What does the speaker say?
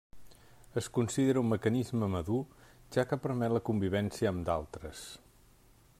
Es considera un mecanisme madur, ja que permet la convivència amb d'altres.